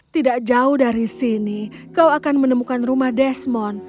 tidak jauh dari sini kau akan menemukan rumah desmond